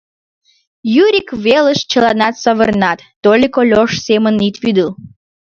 — Юрик велыш чыланат савырнат: — Тольык Ольош семын ит вӱдыл.